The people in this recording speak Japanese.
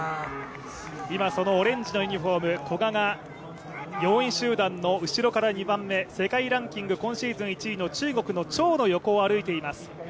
そのオレンジのユニフォーム、古賀が４位集団の後ろから２番目世界ランキング今シーズン１位の中国の張の横を歩いています